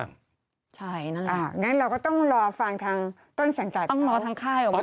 ใช่นั่นแหละงั้นเราก็ต้องรอฟังทางต้นสังกัดต้องรอทางค่ายออกมา